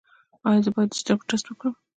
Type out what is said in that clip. ایا زه باید د سترګو ټسټ وکړم؟